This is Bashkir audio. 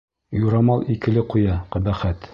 Юрамал «икеле» ҡуя, ҡәбәхәт!